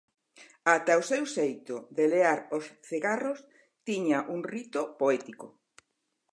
Ata o seu xeito de lear os cigarros tiña un rito poético.